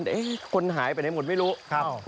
แต่คนหายไปไหนหมดไม่รู้